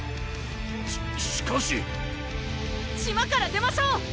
ししかし島から出ましょう！